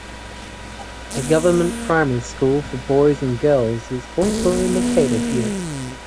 A government Primary school for boys and girls is also located here.